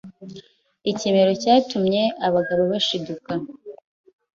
ikimero cyatuma abagabo bashiduka.